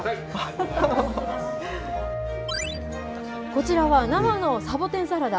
こちらは、生のサボテンサラダ。